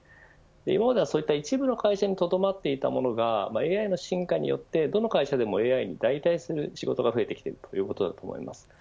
今までは、そういった一部の会社にとどまっていたものがＡＩの進化によってどの会社でもＡＩで代替する仕事が増えてきているということだと思います。